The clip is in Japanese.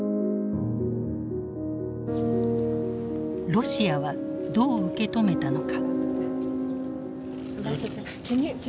ロシアはどう受け止めたのか。